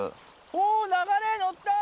お流れに乗った！